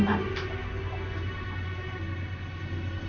sebagai suami hamba